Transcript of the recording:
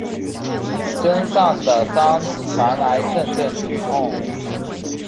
身上的伤传来阵阵剧痛